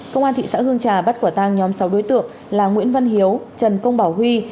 công an thị xã hương trà bắt quả tang nhóm sáu đối tượng là nguyễn văn hiếu trần công bảo huy